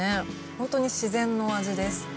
本当に自然の味です。